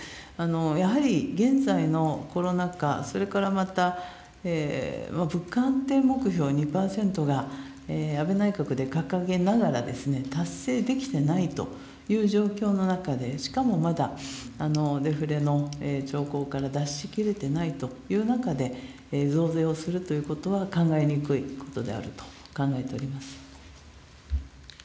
やはり現在のコロナ禍、それからまた物価安定目標２％が、安倍内閣で掲げながらですね、達成できてないという状況の中で、しかもまだ、デフレの兆候から脱しきれてないという中で、増税をするということは考えにくいことであると考えております。